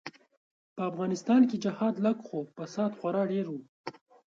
به افغانستان کی جهاد لږ خو فساد خورا ډیر وو.